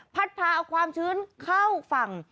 พาเอาความชื้นเข้าฝั่ง